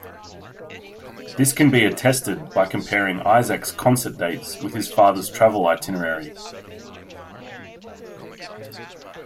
This can be attested by comparing Isaac's concert dates with his father's travel itinerary.